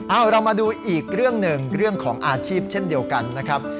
เอาเรามาดูอีกเรื่องหนึ่งเรื่องของอาชีพเช่นเดียวกันนะครับ